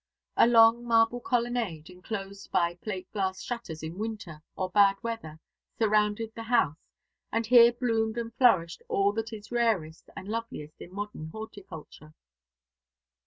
A long marble colonnade, enclosed by plate glass shutters in winter or bad weather, surrounded the house, and here bloomed and flourished all that is rarest and loveliest in modern horticulture.